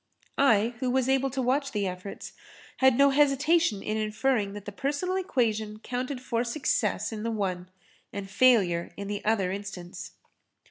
I, who was able to watch the efforts, had no hesitation in inferring that the personal equation counted for success in the one and failure in the other instance.